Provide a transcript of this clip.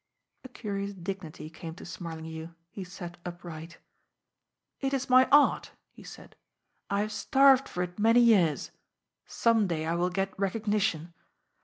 A curious dignity came to Smarlinghue. He sat upright. "It is my art," he said. "I have starved for it many years. Some day I will get recognition.